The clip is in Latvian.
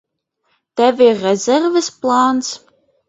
Tev ir rezerves plāns?